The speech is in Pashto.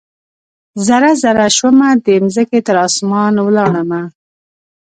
ذره ، ذره شومه د مځکې، تراسمان ولاړمه